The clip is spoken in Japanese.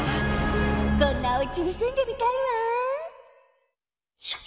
こんなおうちにすんでみたいわ！